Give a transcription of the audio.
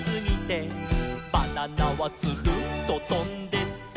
「バナナはツルンととんでった」